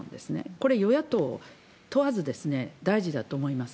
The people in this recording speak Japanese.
これ、与野党問わず、大事だと思います。